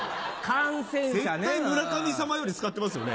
絶対「村神様」より使ってますよね。